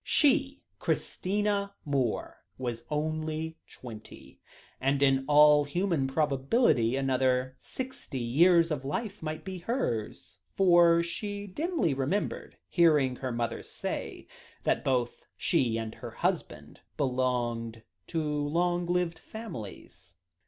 She, Christina Moore, was only twenty, and in all human probability another sixty years of life might be hers, for she dimly remembered hearing her mother say that both she and her husband belonged to long lived families.